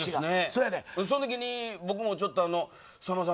そのときに僕もちょっとさんまさん